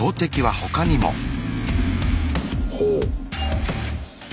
ほう。